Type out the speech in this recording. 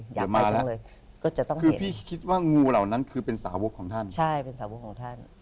เดี๋ยวมาแล้วคือพี่คิดว่างูเหล่านั้นคือเป็นสาวกของท่านใช่เป็นสาวกของท่าน